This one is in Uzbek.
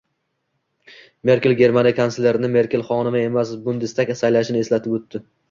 Merkel Germaniya kanslerini Merkel xonim emas, Bundestag saylashini eslatib o‘tdi